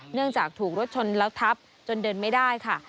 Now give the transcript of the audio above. เนื่องจากถูกรถชนและทับจนเดินไม่ได้ค่ะ